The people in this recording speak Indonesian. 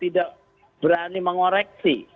tidak berani mengoreksi